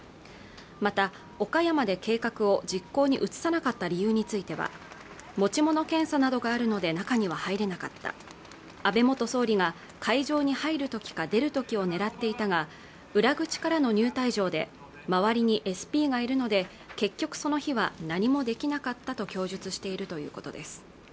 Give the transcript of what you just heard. また岡山で計画を実行に移さなかった理由については持ち物検査などがあるので中には入れなかった安倍元総理が会場に入る時か出る時を狙っていたが裏口からの入退場で周りにＳＰがいるので結局その日は何もできなかったと供述しているということです